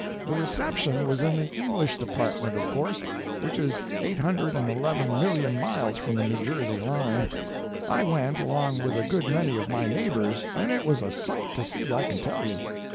The reception was in the English department, of course, which is eight hundred and eleven million miles from the New Jersey line. I went, along with a good many of my neighbors, and it was a sight to see, I can tell you.